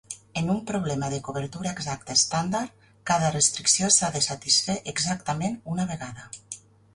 En un problema de cobertura exacta estàndard, cada restricció s'ha de satisfer exactament una vegada.